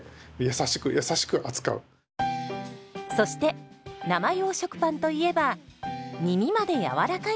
そして生用食パンといえばみみまでやわらかいこと。